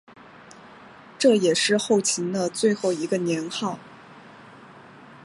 这也是后秦的最后一个年号。